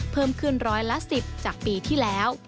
เพิ่มขึ้นร้อยละ๑๐จากปีที่แล้ว